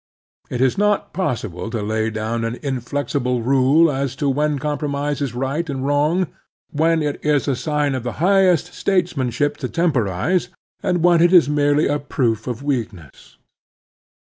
It is not possible to lay down an inflexible rule as to when compromise is right and when wrong; when it is a sign of the highest statesmanship to temporize, and when it is merely a proof of weakness.